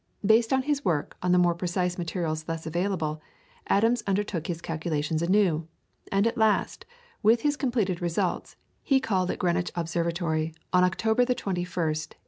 Basing his work on the more precise materials thus available, Adams undertook his calculations anew, and at last, with his completed results, he called at Greenwich Observatory on October the 21st, 1845.